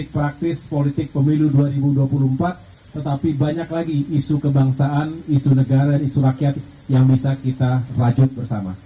jadi banyak lagi isu kebangsaan isu negara isu rakyat yang bisa kita rajut bersama